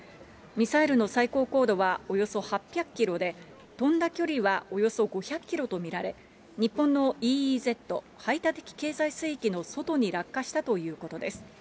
ミサイルの最高高度はおよそ８００キロで、飛んだ距離はおよそ５００キロと見られ、日本のＥＥＺ・排他的経済水域の外に落下したということです。